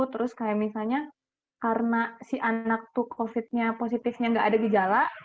terus kayak misalnya karena si anak tuh covid nya positifnya nggak ada gejala